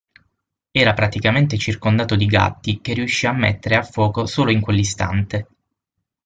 Era praticamente circondato di gatti, che riuscì a mettere a fuoco solo in quell'istante.